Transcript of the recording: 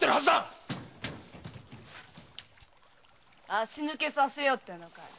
足抜けさせようってのかい？